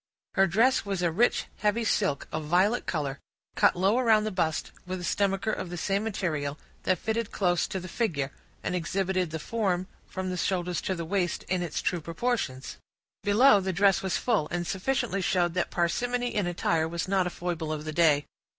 Her dress was a rich, heavy silk, of violet color, cut low around the bust, with a stomacher of the same material, that fitted close to the figure, and exhibited the form, from the shoulders to the waist in its true proportions. Below, the dress was full, and sufficiently showed that parsimony in attire was not a foible of the day.